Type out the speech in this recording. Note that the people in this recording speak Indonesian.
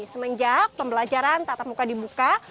semenjak pembelajaran tatap muka di muka